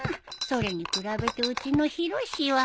それに比べてうちのヒロシは。